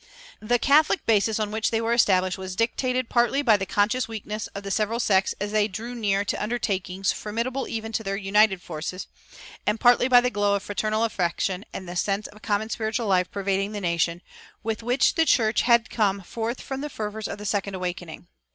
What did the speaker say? [406:2] The "catholic basis" on which they were established was dictated partly by the conscious weakness of the several sects as they drew near to undertakings formidable even to their united forces, and partly by the glow of fraternal affection, and the sense of a common spiritual life pervading the nation, with which the church had come forth from the fervors of "the second awakening."